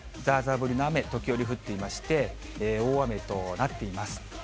降りの雨、時折降っていまして、大雨となっています。